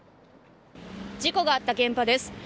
事故があった現場です。